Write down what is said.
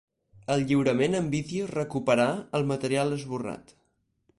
El lliurament en vídeo recuperà el material esborrat.